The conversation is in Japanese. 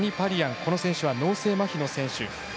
この選手は脳性まひの選手。